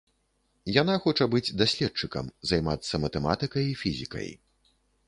Яна хоча быць даследчыкам, займацца матэматыкай і фізікай.